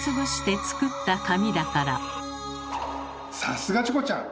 さすがチコちゃん！